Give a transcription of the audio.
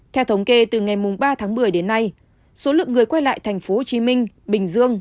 theo thống kê từ ngày ba một mươi đến nay số lượng người quay lại thành phố hồ chí minh bình dương